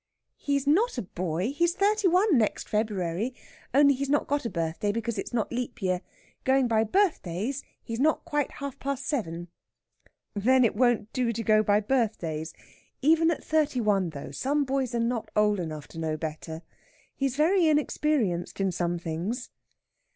"He's not a boy. He's thirty one next February. Only he's not got a birthday, because it's not leap year. Going by birthdays he's not quite half past seven." "Then it won't do to go by birthdays. Even at thirty one, though, some boys are not old enough to know better. He's very inexperienced in some things."